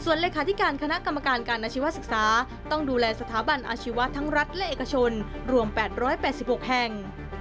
เลขาธิการคณะกรรมการการอาชีวศึกษาต้องดูแลสถาบันอาชีวะทั้งรัฐและเอกชนรวม๘๘๖แห่ง